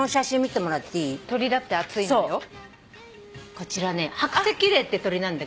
こちらねハクセキレイって鳥なんだけど。